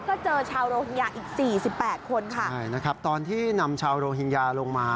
ก็เจอชาวโรฮิงญาอีกสี่สิบแปดคนค่ะใช่นะครับตอนที่นำชาวโรฮิงญาลงมา